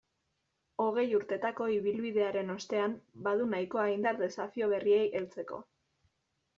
Hogei urtetako ibilbidearen ostean, badu nahikoa indar desafio berriei heltzeko.